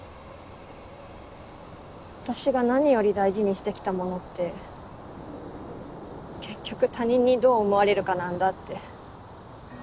私が何より大事にしてきたものって結局他人にどう思われるかなんだって。